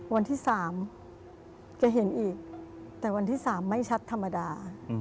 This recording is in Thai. วันที่๓แกเห็นอีกแต่วันที่๓ไม่ชัดธรรมดา